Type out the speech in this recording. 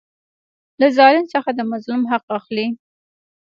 له ظالم څخه د مظلوم حق اخلي.